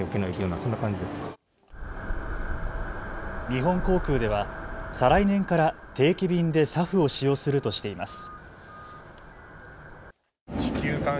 日本航空では再来年から定期便でＳＡＦを使用するとしています。